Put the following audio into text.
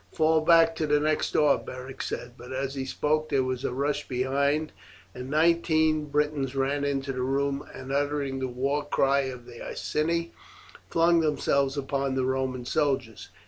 "Fall back to the next door," Beric said; but as he spoke there was a rush behind, and nineteen Britons ran into the room, and uttering the war cry of the Iceni flung themselves upon the Roman soldiers.